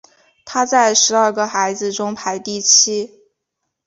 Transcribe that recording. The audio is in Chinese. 他在十二个孩子中排第七。